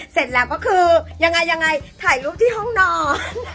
เสร็จแล้วก็คือยังไงยังไงถ่ายรูปที่ห้องนอน